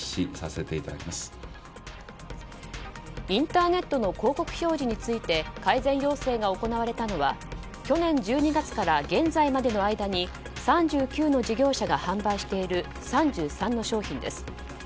インターネットの広告表示について改善要請が行われたのは去年１２月から現在までの間に３９の事業者が販売している３３の商品です。